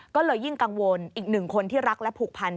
ก็เลยยิ่งกังวลอีกหนึ่งคนที่รักและผูกพัน